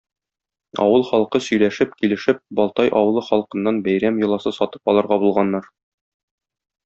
Авыл халкы сөйләшеп, килешеп, Балтай авылы халкыннан бәйрәм йоласы сатып алырга булганнар.